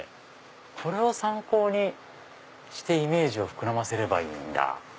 これを参考にしてイメージを膨らませればいいんだ。